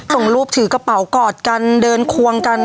ส่งรูปถือกระเป๋ากอดกันเดินควงกัน